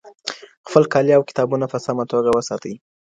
خپل کالي او کتابونه په سمه توګه وساتئ.